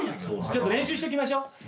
ちょっと練習しときましょう。